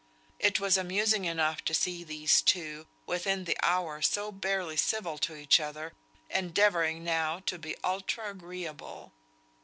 It was amusing enough to see these two, within the hour so barely civil to each other, endeavouring now to be ultra agreeable.